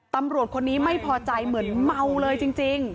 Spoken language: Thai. ตำรวจคนนี้ไม่พอใจเหมือนเมาเลยจริง